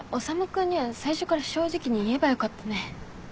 君には最初から正直に言えばよかったね。